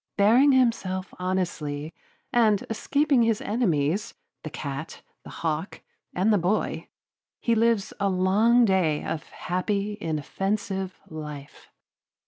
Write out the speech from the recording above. Bearing himself honestly, and escaping his enemies, the cat, the hawk, and the boy, he lives a long day of happy inoffensive life.